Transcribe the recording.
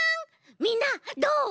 みんなどう？